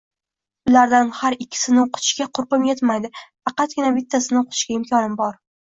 Ulardan har ikkisini o‘qitishga qurbim yetmaydi, faqatgina bittasini o‘qitishga imkonim bor